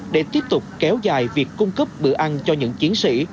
để tiếp tục kéo dài việc cung cấp bữa ăn cho những chiến sĩ